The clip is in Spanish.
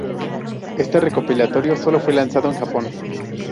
Este recopilatorio solo fue lanzado en Japón.